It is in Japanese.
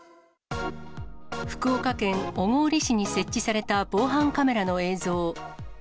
福岡県小郡市に設置された防犯カメラの映像。